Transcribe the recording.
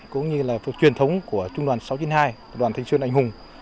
cũng như là truyền thống của trung đoàn sáu trăm chín mươi hai đoàn thanh xuân anh hùng